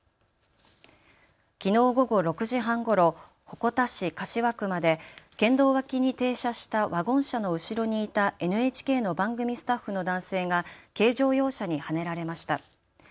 きのう午後６時半ごろ鉾田市柏熊で県道脇に停車したワゴン車の後ろにいたＮＨＫの番組スタッフの男性が軽乗用車にはねられました。